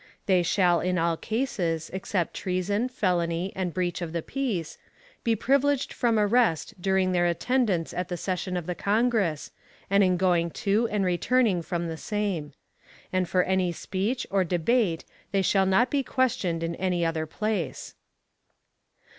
They shall in all cases, except treason, felony, and breach of the peace, be privileged from arrest during their attendance at the session of the Congress, and in going to and returning from the same; and for any speech or debate they shall not be questioned in any other place.